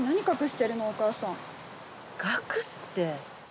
隠すって。